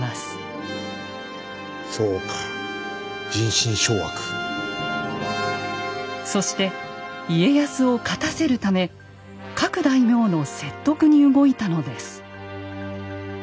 黒田は次第にそして家康を勝たせるため各大名の説得に動いたのです。